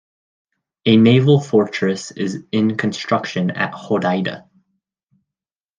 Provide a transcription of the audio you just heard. A naval fortress is in construction at Hodeida.